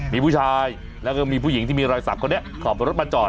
มีผู้ชายแล้วก็มีผู้หญิงที่มีรอยสักคนนี้ขับรถมาจอด